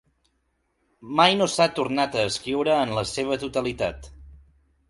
Mai no s'ha tornat a escriure en la seva totalitat.